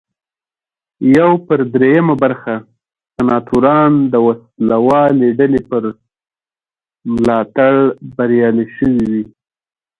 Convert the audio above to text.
یو پر درېیمه برخه سناتوران د وسله والې ډلې په ملاتړ بریالي شوي وي.